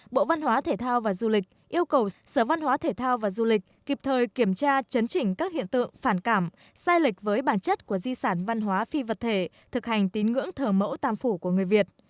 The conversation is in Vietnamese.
bộ văn hóa thể thao và du lịch yêu cầu sở văn hóa thể thao và du lịch kịp thời kiểm tra chấn chỉnh các hiện tượng phản cảm sai lệch với bản chất của di sản văn hóa phi vật thể thực hành tín ngưỡng thờ mẫu tam phủ của người việt